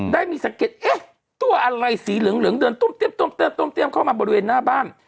ได้มีสังเกตเอ๊ะตัวอะไรสีเหลืองเดินตุ้มเตี๊บตุ้มเตี๊บตุ้มเตี๊บเข้ามาบริเวณหน้าบ้าน